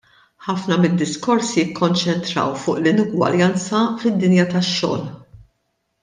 Ħafna mid-diskorsi kkonċentraw fuq l-inugwaljanza fid-dinja tax-xogħol.